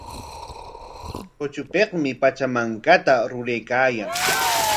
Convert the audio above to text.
Kuchipikmi Pachamankata ruraykaayan.